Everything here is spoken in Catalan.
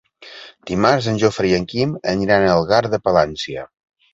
Dimarts en Jofre i en Quim aniran a Algar de Palància.